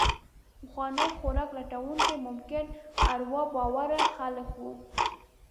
پخواني خوراک لټونکي ممکن اروا باوره خلک وو.